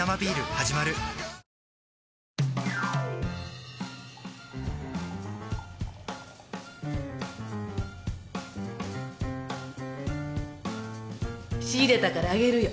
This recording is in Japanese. はじまる仕入れたからあげるよ。